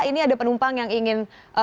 ini ada penumpang yang ingin